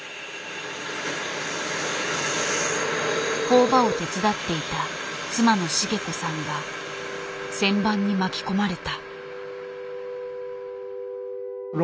工場を手伝っていた妻の茂子さんが旋盤に巻き込まれた。